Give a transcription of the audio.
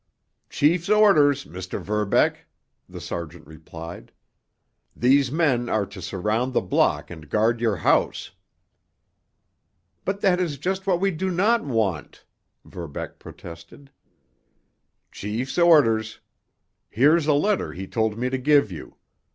"Chief's orders, Mr. Verbeck," the sergeant replied. "These men are to surround the block and guard your house." "But that is just what we do not want!" Verbeck protested. "Chief's orders. Here's a letter he told me to give you.